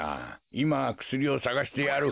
いまくすりをさがしてやる。